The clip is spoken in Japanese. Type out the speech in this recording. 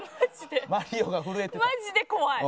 マジで怖い。